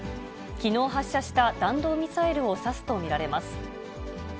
きのう発射した弾道ミサイルを指すと見られます。